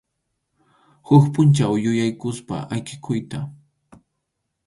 Huk pʼunchaw yuyaykusqa ayqikuyta.